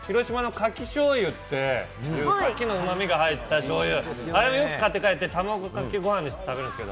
僕、広島のカキしょうゆといううまみが入ったしょうゆ、あれよく買って帰って、卵かけご飯にして食べるんですよ。